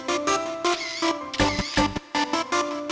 ini kayaknya soalnya masih bagus deh